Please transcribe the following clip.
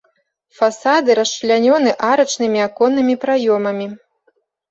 Фасады расчлянёны арачнымі аконнымі праёмамі.